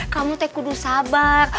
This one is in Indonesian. kamu teh harus sabar